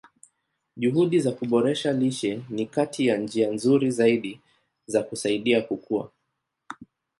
Juhudi za kuboresha lishe ni kati ya njia nzuri zaidi za kusaidia kukua.